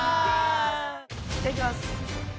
じゃあいきます。